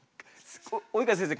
及川先生